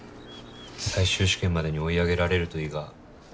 最終試験までに追い上げられるといいが。